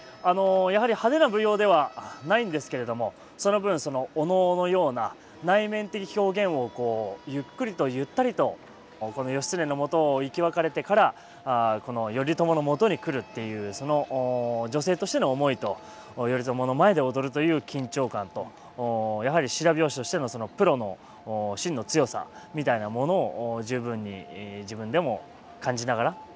やはり派手な舞踊ではないんですけれどもその分お能のような内面的表現をこうゆっくりとゆったりとこの義経のもとを生き別れてからこの頼朝のもとに来るっていうその女性としての思いと頼朝の前で踊るという緊張感とやはり白拍子としてのプロのしんの強さみたいなものを十分に自分でも感じながら。